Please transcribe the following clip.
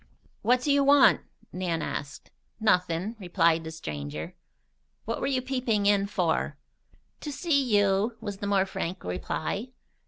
"What do you want?" Nan asked. "Nothin'," replied the stranger. "What were you peeping in for?" "To see you," was the more frank reply.